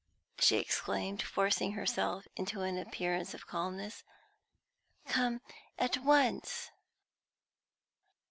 she exclaimed, forcing herself into an appearance of calmness. "Come at once."